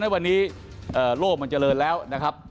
วันนี้โลกมันเจริญแล้วนะครับ